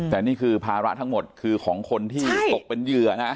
แต่นี่คือภาระทั้งหมดคือของคนที่ตกเป็นเหยื่อนะ